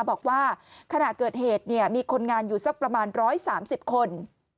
บอกว่าขณะเกิดเหตุมีคนงานอยู่สักประมาณ๑๓๐คน